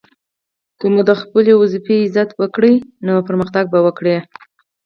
که مو د خپلي دندې عزت وکړئ! نو پرمختګ به وکړئ!